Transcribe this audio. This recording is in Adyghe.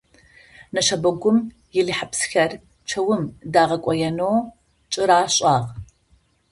Нэшэбэгум илыхьэпсхэр чэум дагъэкӏоенэу кӏэрашӏагъ.